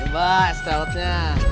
ini mbak stelet nya